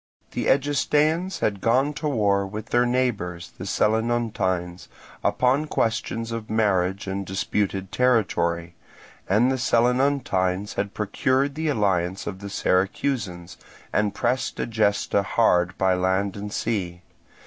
The Egestaeans had gone to war with their neighbours the Selinuntines upon questions of marriage and disputed territory, and the Selinuntines had procured the alliance of the Syracusans, and pressed Egesta hard by land and sea.